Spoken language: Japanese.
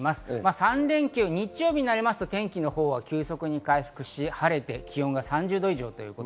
３連休、日曜日になると、天気は急速に回復し、晴れて気温が３０度以上。